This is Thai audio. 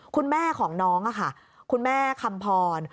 คุณแม่ของน้องค่ะคุณแม่คำพร